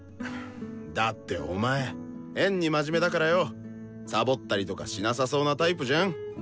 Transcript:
だってお前変に真面目だからよサボったりとかしなさそうなタイプじゃん？